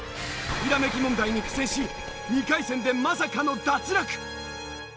ひらめき問題に苦戦し２回戦でまさかの脱落！